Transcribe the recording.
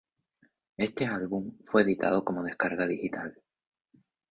Este álbum fue editado como descarga digital.